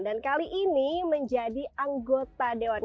dan kali ini menjadi anggota dewan